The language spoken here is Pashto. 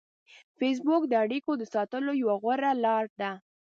فېسبوک د اړیکو د ساتلو یوه غوره لار ده